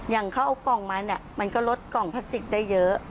อย่างเขาเอากล่องมาเนี่ยมันก็ลดกล่องพลาสติกได้เยอะ